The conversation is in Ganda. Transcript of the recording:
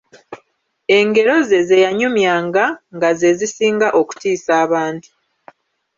Engero ze ze yanyumyanga nga ze zisinga okutiisa abantu.